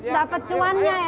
dapat cuannya ya